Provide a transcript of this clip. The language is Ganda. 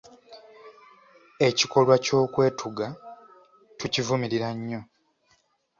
Ekikolwa ky’okwetuga tukivumirira nnyo.